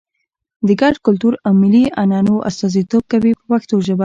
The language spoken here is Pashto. د ګډ کلتور او ملي عنعنو استازیتوب کوي په پښتو ژبه.